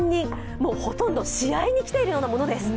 もうほとんど試合に来ているようなものです。